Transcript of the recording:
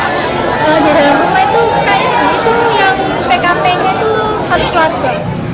di dalam rumah itu itu yang tkpg itu satu keluarga